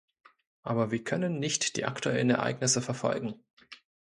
Aber wir können nicht die aktuellen Ereignisse verfolgen.